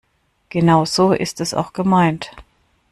Genau so ist es auch gemeint.